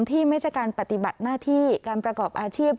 ที่ไม่ใช่การปฏิบัติหน้าที่การประกอบอาชีพ